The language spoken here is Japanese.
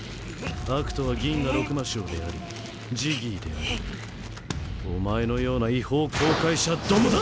悪とは銀河六魔将でありジギーでありお前のような違法航海者どもだ！